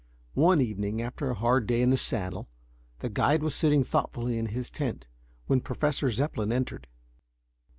One evening, after a hard day in the saddle, the guide was sitting thoughtfully in his tent, when Professor Zepplin entered.